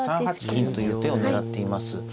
３八銀という手を狙っています。